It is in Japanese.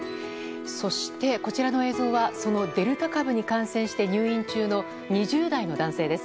そして、こちらの映像はそのデルタ株に感染して入院中の、２０代の男性です。